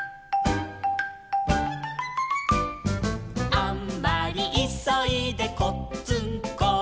「あんまりいそいでこっつんこ」